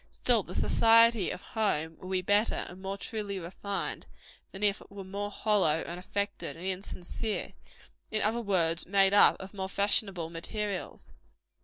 Still, the society of home will be better and more truly refined, than if it were more hollow, and affected, and insincere in other words, made up of more fashionable materials.